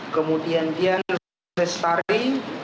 kemudian dia nusret stari